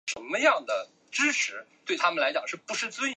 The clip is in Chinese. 在阿尔泰乌梁海西北。